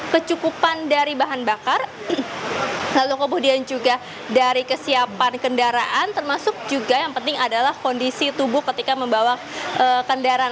kecukupan dari bahan bakar lalu kemudian juga dari kesiapan kendaraan termasuk juga yang penting adalah kondisi tubuh ketika membawa kendaraan